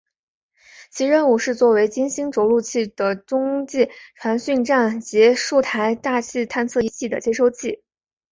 其任务是做为金星着陆器的中继传讯站及数台大气探测仪器的接收器。